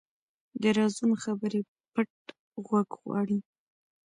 د رازونو خبرې پټه غوږ غواړي